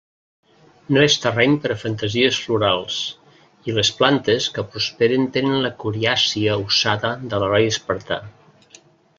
No és terreny per a fantasies florals, i les plantes que prosperen tenen la coriàcia ossada de l'heroi espartà.